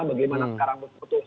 bagaimana sekarang putusan